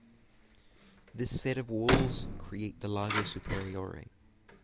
This set of walls create the Lago Superiore.